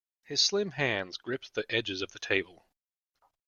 His slim hands gripped the edges of the table.